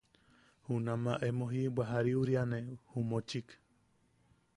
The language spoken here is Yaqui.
Junama emo jiʼibwa jariuriane ju mochik.